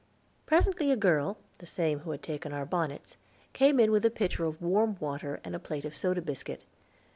Presently a girl, the same who had taken our bonnets, came in with a pitcher of warm water and a plate of soda biscuit.